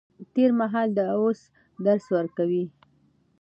تېر مهال د اوس درس ورکوي.